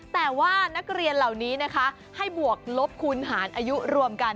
แต่ว่านักเรียนเหล่านี้นะคะให้บวกลบคูณหารอายุรวมกัน